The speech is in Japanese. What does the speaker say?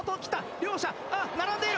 両者あっ並んでいる。